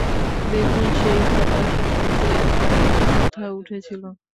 দেখুন, সেই খাতা সম্বন্ধে আর কোনো কথা উঠেছিল?